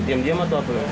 diam diam atau apa